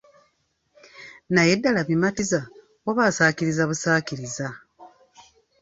Naye ddala bimatiza oba asaakiriza busaakiriza?